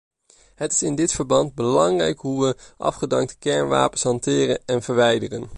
Het is in dit verband belangrijk hoe we afgedankte kernwapens hanteren en verwijderen.